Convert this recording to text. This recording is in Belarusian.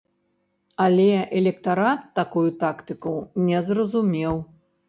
Але электарат такую тактыку не зразумеў.